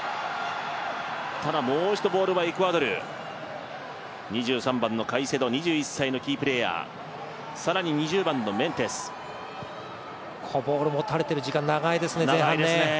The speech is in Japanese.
ただもう一度、ボールはエクアドル２３番カイセド、さらに２０番のメンテスボール持たれている時間が長い前半ですね。